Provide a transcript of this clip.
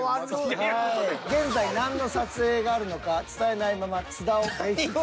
現在何の撮影があるのか伝えないまま津田を別室で。